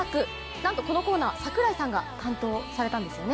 なんとこのコーナー、櫻井さんが担当されたんですよね。